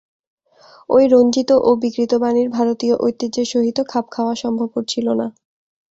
ঐ রঞ্জিত ও বিকৃত বাণীর ভারতীয় ঐতিহ্যের সহিত খাপ খাওয়া সম্ভবপর ছিল না।